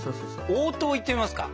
黄桃いってみますか。